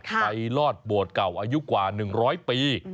ลอดโบสถ์เก่าอายุกว่า๑๐๐ปี